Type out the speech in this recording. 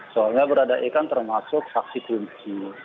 soalnya berada e kan termasuk saksi kunci